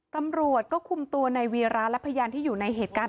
ตำรวจก็คุมตัวในวีระและพยานที่อยู่ในเหตุการณ์